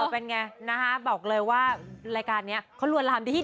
เป็นไงนะคะบอกเลยว่ารายการนี้เขาลวนลามดี